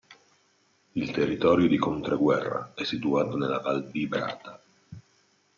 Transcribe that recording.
Il territorio di Controguerra è situato nella Val Vibrata.